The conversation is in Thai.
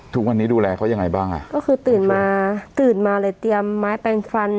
ทุกวันนี้ดูแลเขายังไงบ้างอ่ะก็คือตื่นมาตื่นมาเลยเตรียมไม้แปลงฟัน